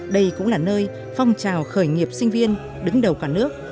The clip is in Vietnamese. đây cũng là nơi phong trào khởi nghiệp sinh viên đứng đầu cả nước